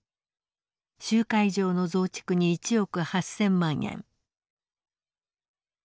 集会場の増築に１億８，０００万円。